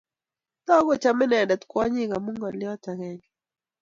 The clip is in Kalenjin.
Toku kochomei inendet kwonyik amu ngolyo agenge